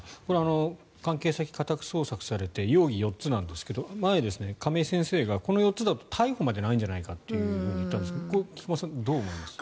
関係先を家宅捜索されて容疑が４つなんですが前、亀井先生が逮捕まではないんじゃないかとおっしゃっていたんですがこれは菊間さんどう思います？